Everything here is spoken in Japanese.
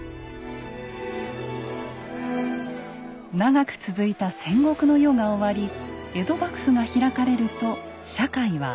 長く続いた戦国の世が終わり江戸幕府が開かれると社会は安定。